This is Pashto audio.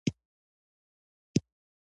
هغې ناره وکړه: